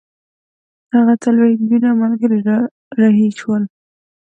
هغه څلوېښت نجونې او ملګري را رهي شول.